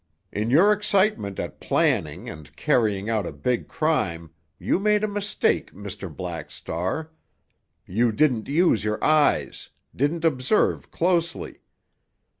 "In your excitement at planning and carrying out a big crime you made a mistake, Mr. Black Star—you didn't use your eyes, didn't observe closely.